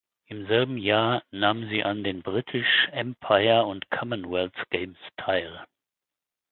Im selben Jahr nahm sie an den British Empire and Commonwealth Games teil.